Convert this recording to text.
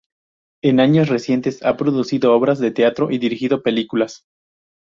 En años recientes ha producido obras de teatro y dirigido películas.